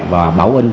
và báo ơn